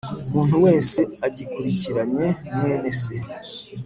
umuntu wese agikurikiranye mwene se.”